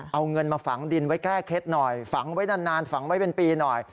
เอาเงินมาฝังดินไว้แก้เคล็ดหน่อยฝังไว้นานฝังไว้เป็นปีหน่อย